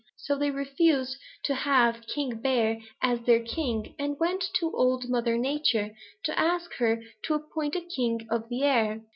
So they refused to have old King Bear as their king and went to Old Mother Nature to ask her to appoint a king of the air.